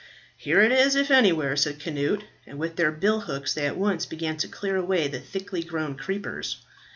"Here it is, if anywhere," said Cnut, and with their billhooks they at once began to clear away the thickly grown creepers.